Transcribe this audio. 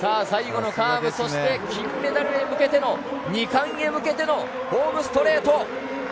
最後のカーブ、そして金メダルに向けての２冠へ向けてのホームストレート！